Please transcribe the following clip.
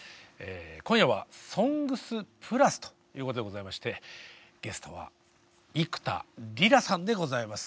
今夜は「ＳＯＮＧＳ＋ＰＬＵＳ」ということでございましてゲストは幾田りらさんでございます。